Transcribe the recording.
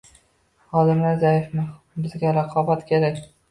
Xodimlar zaifmi? Bizga raqobat kerak